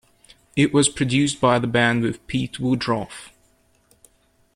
It was produced by the band with Pete Woodroffe.